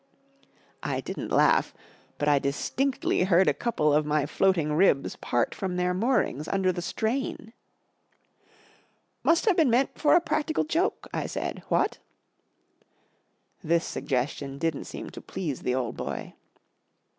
* O I didn't laugh, but I distinctly heard a couple of my floating ribs part from their moorings under the strain. '* Must have been meant for a practical joke," I said. 44 What ?" This suggestion didn't seem to please the old boy.